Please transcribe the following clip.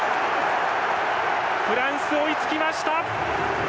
フランス、追いつきました！